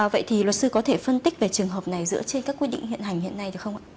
vậy thì luật sư có thể phân tích về trường hợp này dựa trên các quy định hiện hành hiện nay được không ạ